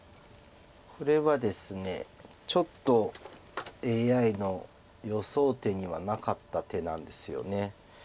これはですねちょっとＡＩの予想手にはなかった手なんですよね。